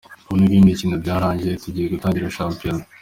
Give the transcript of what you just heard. Ubu iby’imikino byarangiye tugiye gutangira shampiyona.